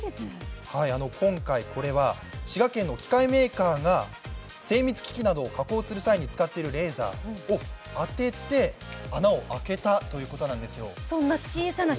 今回、これは滋賀県の機械メーカーが精密機器などを加工する際に使っているレーザーを当てて穴を開けたということなんですよ。